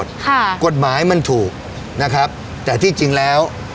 ค่ะกฎหมายมันถูกนะครับแต่ที่จริงแล้ว